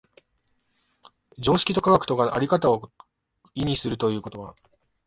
常識と科学とが在り方を異にするということは、